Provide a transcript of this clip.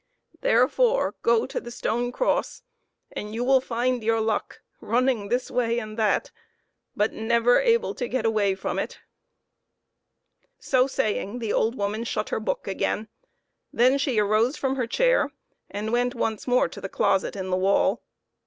Therefore go to the stone cross and you will find your luck running this way and that, but never able to get away from it." So saying, the old woman shut her book again. Then she arose from her chair and went once more to the closet in the wall.